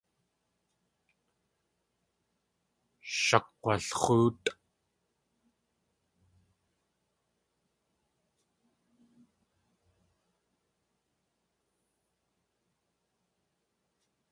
Shakg̲walx̲óotʼ.